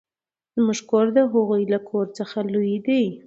زموږ کور د هغوې له کور څخه لوي ده.